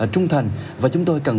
trung thành và chúng tôi cần